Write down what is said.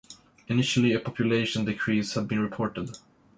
Initially a population decrease had been reported.